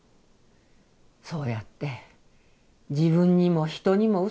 そうやって自分にも人にもうそついて。